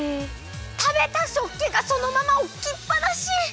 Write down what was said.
たべた食器がそのままおきっぱなし！